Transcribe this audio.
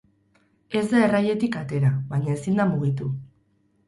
Ez da errailetik atera, baina ezin da mugitu.